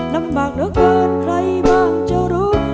ลำบากเหลือเกินใครบ้างจะรู้